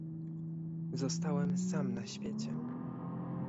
"Zostałem sam na świecie."